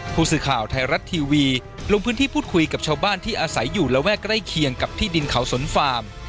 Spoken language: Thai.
ผู้สื่อข่าวไทยรัฐทีวีลงพื้นที่พูดคุยกับชาวบ้านที่อาศัยอยู่ระแวกใกล้เคียงกับที่ดินเขาสนฟาร์ม